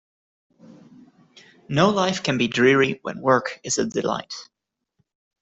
No life can be dreary when work is a delight.